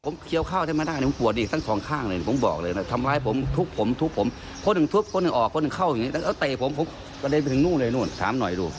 มีอย่างที่ลุงก็จะบอกว่า